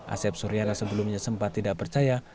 asep surya sebelumnya sempat tidak percaya